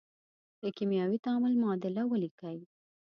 د کیمیاوي تعامل معادله ولیکئ.